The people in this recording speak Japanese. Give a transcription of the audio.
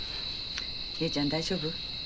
理恵ちゃん大丈夫？